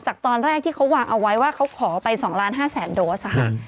จากตอนแรกที่เขาวางเอาไว้ว่าเขาขอไป๒๕๐๐๐๐๐โดสค่ะ